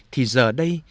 thì giờ đây